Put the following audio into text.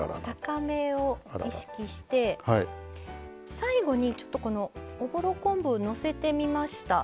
最後にちょっとこのおぼろ昆布をのせてみました。